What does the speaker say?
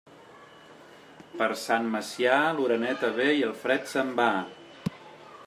Per Sant Macià, l'oreneta ve i el fred se'n va.